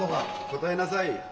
答えなさい。